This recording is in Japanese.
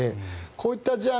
こういった事案